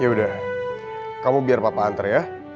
yaudah kamu biar papa antar ya